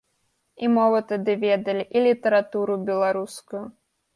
І мову тады ведалі, і літаратуру беларускую.